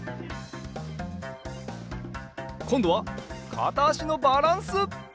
こんどはかたあしのバランス！